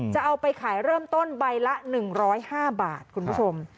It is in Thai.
จะเอาไปขายเริ่มต้นใบละ๑๐๕บาทคุณผู้ชม